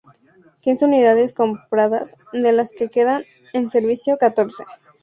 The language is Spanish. Quince unidades compradas, de las que quedan en servicio catorce.